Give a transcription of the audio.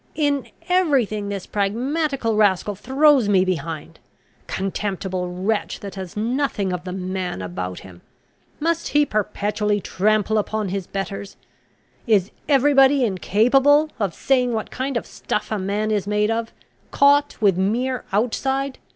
"In every thing this pragmatical rascal throws me behind. Contemptible wretch, that has nothing of the man about him! Must he perpetually trample upon his betters? Is every body incapable of saying what kind of stuff a man is made of? caught with mere outside?